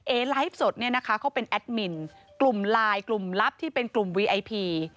เอไลฟ์สดเขาเป็นแอดมินกลุ่มลายกลุ่มลับที่เป็นกลุ่มวีไอพี